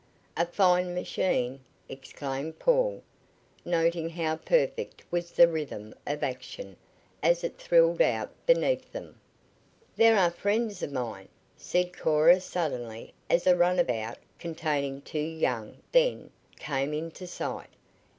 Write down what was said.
"A fine machine!" exclaimed Paul, noting how perfect was the rhythm of action as it thrilled out beneath them. "There are friends of mine," said Cora suddenly as a runabout, containing two young then, came into sight.